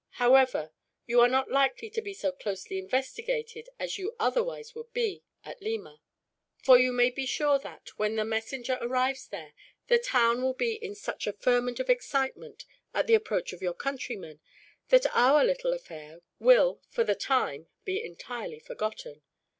However, you are not likely to be so closely investigated as you otherwise would be, at Lima; for you may be sure that, when the messenger arrives there, the town will be in such a ferment of excitement, at the approach of your countrymen, that our little affair will, for the time, be entirely forgotten."